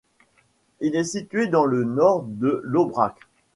Elle est située dans le nord de l'Aubrac.